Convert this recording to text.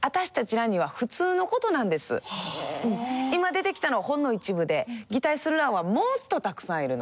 今出てきたのはほんの一部で擬態するランはもっとたくさんいるの。